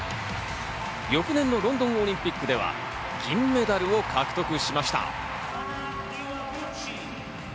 翌年のロンドンオリンピックでは銀メダルを獲得しました。